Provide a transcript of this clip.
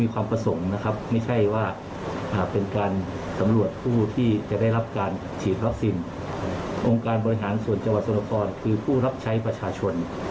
การบริหารส่วนจังหวัดสละครคือผู้รับใช้ประชาชน